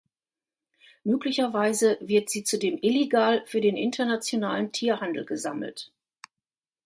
Möglicherweise wird sie zudem illegal für den internationalen Tierhandel gesammelt.